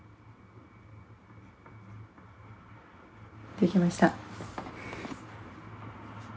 できました。